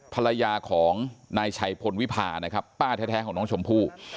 ภรรยาของนายชัยพลวิพานะครับป้าแท้ของน้องชมพู่